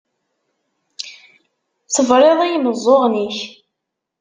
Tebriḍ i yimeẓẓuɣen-ik.